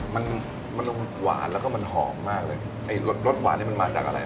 มันมันหวานแล้วก็มันหอมมากเลยไอ้รสรสหวานนี่มันมาจากอะไร